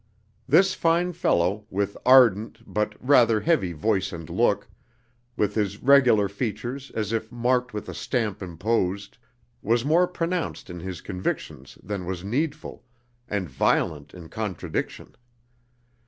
This fine fellow, with ardent but rather heavy voice and look, with his regular features as if marked with a stamp imposed, was more pronounced in his convictions than was needful, and violent in contradiction.